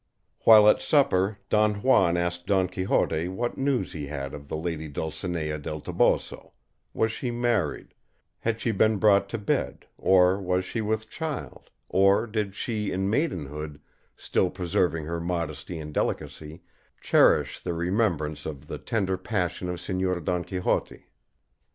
While at supper Don Juan asked Don Quixote what news he had of the lady Dulcinea del Toboso, was she married, had she been brought to bed, or was she with child, or did she in maidenhood, still preserving her modesty and delicacy, cherish the remembrance of the tender passion of Señor Don Quixote?